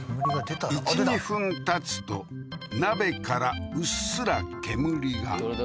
１２分たつと鍋からうっすら煙がどれ？